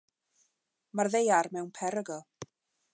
Mae'r Ddaear mewn perygl.